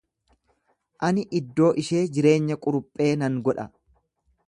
Ani iddoo ishee jireenya quruphee nan godha.